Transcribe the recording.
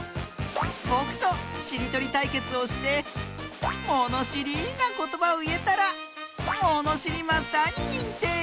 ぼくとしりとりたいけつをしてものしりなことばをいえたらものしりマスターににんてい！